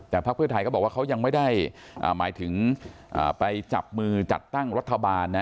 แต่พักเพื่อไทยก็บอกว่าเขายังไม่ได้หมายถึงไปจับมือจัดตั้งรัฐบาลนะ